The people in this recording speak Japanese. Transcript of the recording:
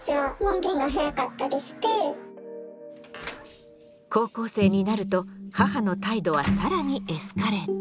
高校生になると母の態度は更にエスカレート。